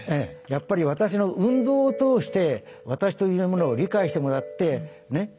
やっぱり私の運動を通して私というものを理解してもらってねっ？